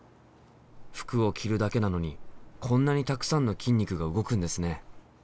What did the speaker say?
服を着るだけなのにこんなにたくさんの筋肉が動くんですね。